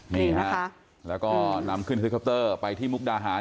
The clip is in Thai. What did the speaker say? นี่ฮะแล้วก็นำขึ้นเฮลิคอปเตอร์ไปที่มุกดาหาร